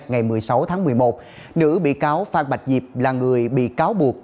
ngày một mươi sáu tháng một mươi một nữ bị cáo phan bạch diệp là người bị cáo buộc